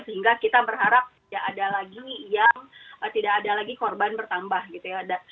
sehingga kita berharap tidak ada lagi yang tidak ada lagi korban bertambah gitu ya